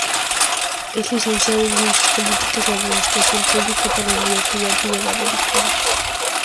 Es Licenciado en Ciencias Políticas y Administración Pública por la Universidad Iberoamericana.